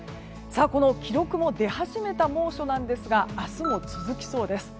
この記録も出始めた猛暑なんですが明日も続きそうです。